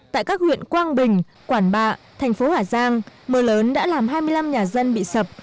tại các huyện quang bình quảng bạ thành phố hà giang mưa lớn đã làm hai mươi năm nhà dân bị sập